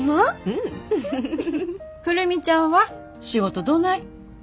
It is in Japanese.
久留美ちゃんは仕事どない？